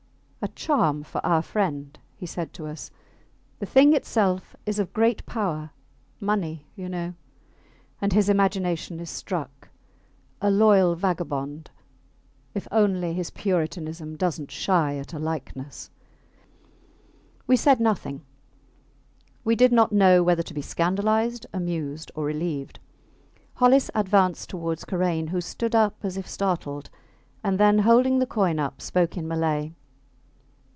A charm for our friend, he said to us. The thing itself is of great power money, you know and his imagination is struck. A loyal vagabond; if only his puritanism doesnt shy at a likeness ... We said nothing. We did not know whether to be scandalized, amused, or relieved. Hollis advanced towards Karain, who stood up as if startled, and then, holding the coin up, spoke in Malay.